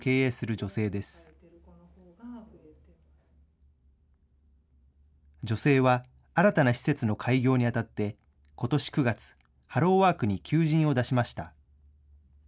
女性は新たな施設の開業にあたって、ことし９月、ハローワークに求人を出しました。